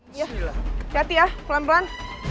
iya hati hati ya pelan pelan